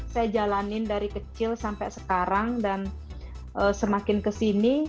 saya jalanin dari kecil sampai sekarang dan semakin kesini